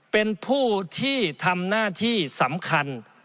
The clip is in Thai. เป็นผู้ที่ทำหน้าที่สำคัญ